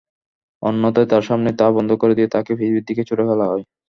অন্যথায় তার সামনেই তা বন্ধ করে দিয়ে তাকে পৃথিবীর দিকে ছুঁড়ে ফেলা হয়।